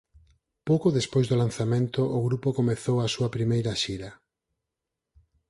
Pouco despois do lanzamento o grupo comezou a súa primeira xira.